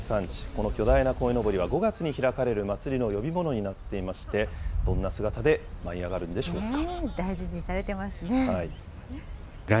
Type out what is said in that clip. この巨大なこいのぼりは５月に開かれる祭りの呼び物になっていまして、どんな姿で舞い上がるんでしょうか。